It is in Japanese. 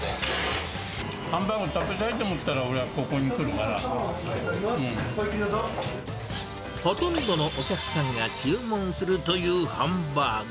ハンバーグ食べたいと思ったほとんどのお客さんが注文するというハンバーグ。